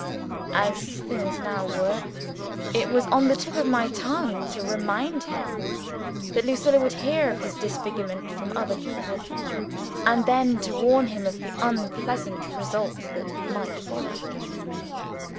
As things now were, it was on the tip of my tongue to remind him, that Lucilla would hear of his disfigurement from other people; and then to warn him of the unpleasant result that might follow.